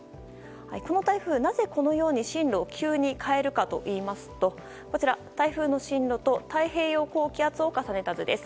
この台風、なぜこのように進路を急に変えるかというとこちら、台風の進路と太平洋高気圧を重ねた図です。